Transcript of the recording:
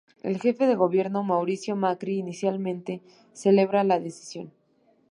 El jefe de Gobierno, Mauricio Macri, inicialmente celebra la decisión.